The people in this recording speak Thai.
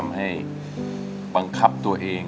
ทำให้คุณเราปังคับตัวเอง